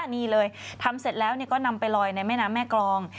นี่เลยทำเสร็จแล้วก็นำไปลอยในแม่น้ำแม่กรอง